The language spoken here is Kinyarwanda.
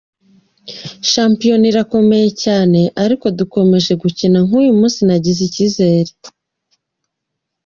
Shampiyona irakomeye cyane ariko dukomeje gukina nk’uyu munsi nagira icyizere.